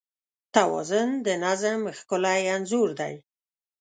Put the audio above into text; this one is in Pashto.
توازن د نظم ښکلی انځور دی.